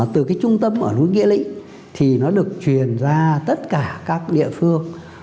từ cái trung tâm ở núi nghĩa lĩnh thì nó được truyền ra tất cả các địa phương